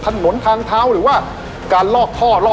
อัศวินตรีอัศวินตรี